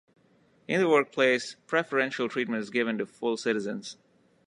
In the workplace, preferential treatment is given to full citizens.